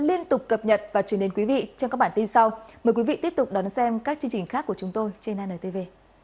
hẹn gặp lại các bạn trong những video tiếp theo trên hntv